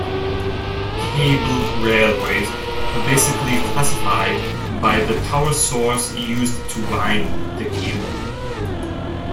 Cable railways are basically classified by the power source used to wind the cable.